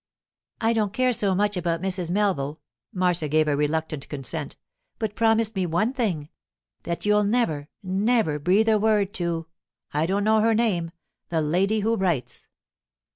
'I don't care so much about Mrs. Melville,' Marcia gave a reluctant consent. 'But promise me one thing: that you'll never, never breathe a word to—I don't know her name—the Lady who Writes.